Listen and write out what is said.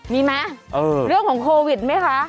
มีไหมเรื่องของโควิดไหมคะ